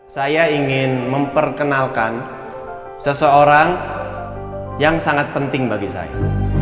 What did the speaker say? saya ingin memperkenalkan seseorang yang sangat penting bagi saya